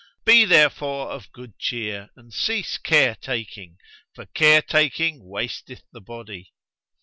Be there fore of good cheer and cease care taking; for care taking wasteth the body."